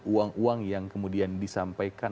uang uang yang kemudian disampaikan